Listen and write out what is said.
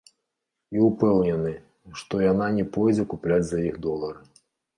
І ўпэўнены, што яна не пойдзе купляць за іх долары.